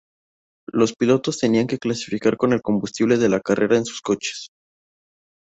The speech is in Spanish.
Los pilotos tenían que clasificar con el combustible de la carrera en sus coches.